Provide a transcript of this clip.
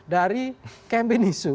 dari campaign isu